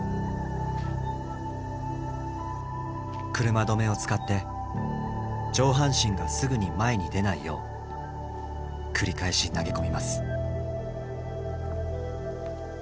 車止めを使って上半身がすぐに前に出ないよう繰り返し投げ込みます。